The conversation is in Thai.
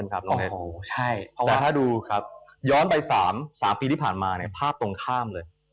แต่ถ้าดูย้อนไป๓ปีที่ผ่านมาภาพตังค้ามเลย